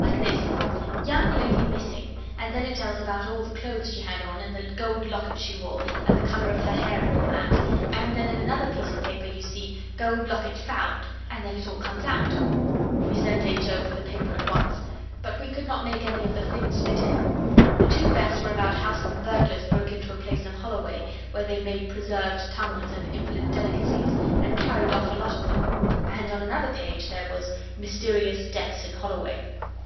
Like this: "Young Lady Missing," and then it tells about all the clothes she had on, and the gold locket she wore, and the colour of her hair, and all that; and then in another piece of the paper you see, "Gold locket found," and then it all comes out.' We sent H. O. for the paper at once, but we could not make any of the things fit in. The two best were about how some burglars broke into a place in Holloway where they made preserved tongues and invalid delicacies, and carried off a lot of them. And on another page there was, 'Mysterious deaths in Holloway.